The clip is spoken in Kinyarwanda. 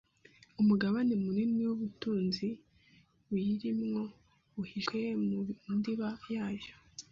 Umugabane munini w’ubutunzi buyirimo buhishwe mu ndiba yayo,